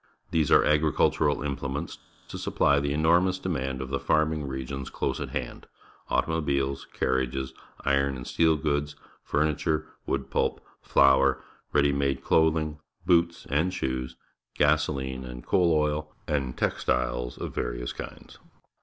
These are — agricultural implements to supply the enor mous demand of the farming regions close at hand, automobiles, carriages, iron and steel goods, furnitm'e, wood pulp, flour, ready made clothing, boots, and shoe s, gasolin e and coal oil, and_texlilgs^ of various kinds.